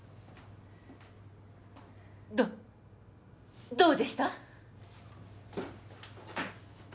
どっどうでした？